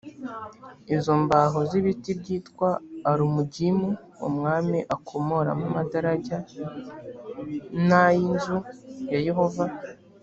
izo mbaho z ibiti byitwa alumugimu umwami akoramo amadarajya n y inzu ya yehova